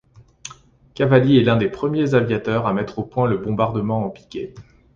Cavalli est l'un des premiers aviateurs à mettre au point le bombardement en piqué.